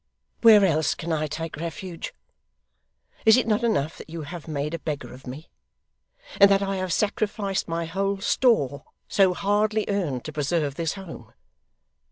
'Where else can I take refuge? Is it not enough that you have made a beggar of me, and that I have sacrificed my whole store, so hardly earned, to preserve this home?